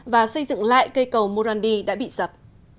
và xây dựng lại cây cầu morandi đã bị sập